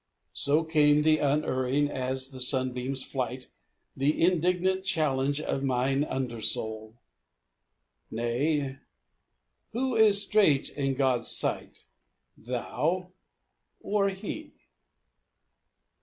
So came, unerring as the sunbeam's flight, The indignant challenge of mine undersoul: "Nayl who is straight in God's sight — thou or he?"